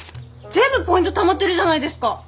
全部ポイントたまってるじゃないですか？